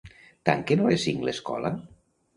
Tanquen a les cinc l'escola?